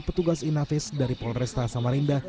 petugas inavis dari polresta samarinda